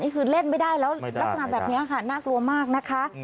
คือเล่นไม่ได้แล้วลักษณะแบบนี้ค่ะน่ากลัวมากนะคะ